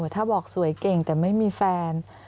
ถ้าบอกสวยเก่งแต่ไม่มีแฟน